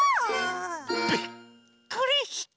びっくりした。